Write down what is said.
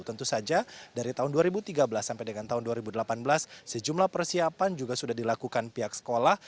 tentu saja dari tahun dua ribu tiga belas sampai dengan tahun dua ribu delapan belas sejumlah persiapan juga sudah dilakukan pihak sekolah